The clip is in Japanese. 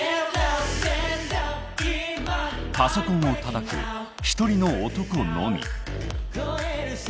パソコンをたたく一人の男のみ。